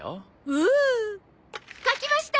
おお！書きました！